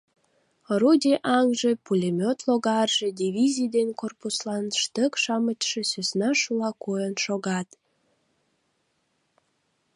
Орудий аҥже, пулемёт логарже, дивизий ден корпуслан штык-шамычше сӧсна шула койын шогат.